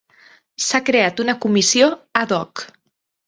S'ha creat una comissió 'ad hoc'.